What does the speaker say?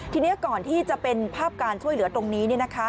ทีนี้ก่อนที่จะเป็นภาพการช่วยเหลือตรงนี้